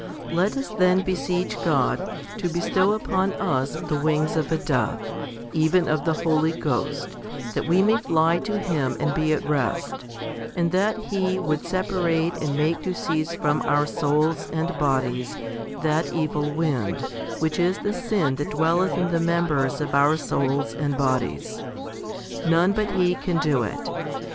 Let us then beseech God to bestow upon us the wings of a dove, even of the Holy Ghost, that we may fly to Him and be at rest, 3 and that He would separate and make to cease from our souls and bodies, that evil wind, which is the sin that dwelleth in the members of our souls and bodies. None but He can do it.